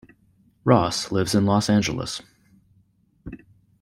Ross lives in Los Angeles.